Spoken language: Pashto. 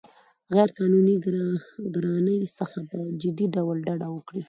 او غیرقانوني ګرانۍ څخه په جدي ډول ډډه وکړي